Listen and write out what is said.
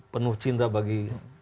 penuh cinta bagi